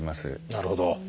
なるほど。